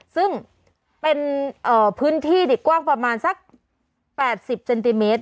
ซึ่งเป็นพื้นที่กว้างประมาณสัก๘๐เซนติเมตร